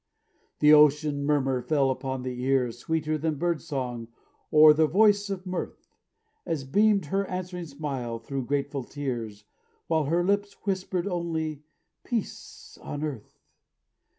The ocean murmur fell upon their ears Sweeter than bird song or the voice of mirth, As beamed her answering smile, thro' grateful tears, While her lips whispered only "Peace on earth."